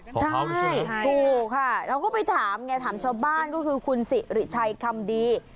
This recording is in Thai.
ใช่ถูกค่ะเราก็ไปถามไงถามชาวบ้านก็คือคุณสิริชัยคำดี